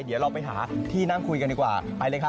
เดี๋ยวเราไปหาที่นั่งคุยกันดีกว่าไปเลยครับ